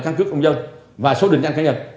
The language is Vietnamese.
căn cứ công dân